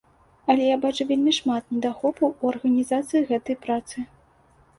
Але я бачу вельмі шмат недахопаў у арганізацыі гэтай працы.